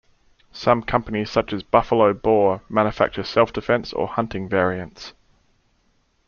Some companies such as Buffalo Bore manufacture self-defense or hunting variants.